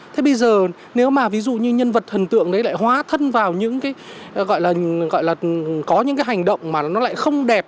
thế bây giờ nếu mà ví dụ như nhân vật thần tượng đấy lại hóa thân vào những cái gọi là gọi là có những cái hành động mà nó lại không đẹp